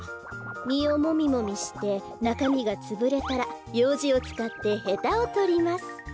みをもみもみしてなかみがつぶれたらようじをつかってヘタをとります。